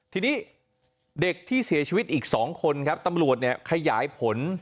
ทีนี้เด็กที่เสียชีวิตอีก๒คนครับตำรวจเนี่ยขยายผล